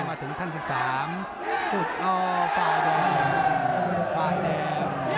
มาถึงท่านที่๓ฝ่าแดง